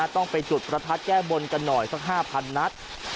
ต้องไปจุดประทัดแก้บนกันหน่อยสัก๕๐๐นัด